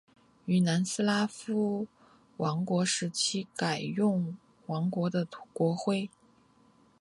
于南斯拉夫王国时期改用王国的国徽。